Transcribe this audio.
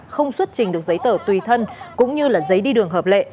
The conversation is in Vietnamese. không xuất trình được giấy tờ tùy thân cũng như giấy đi đường hợp lệ